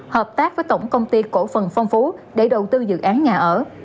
hợp tác với tổng công ty cổ phần phong phú để đầu tư dự án nhà ở